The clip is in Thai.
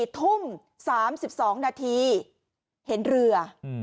๔ทุ่ม๓๒นาทีเห็นเรือ